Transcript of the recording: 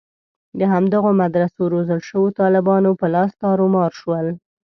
د همدغو مدرسو روزل شویو طالبانو په لاس تارومار شول.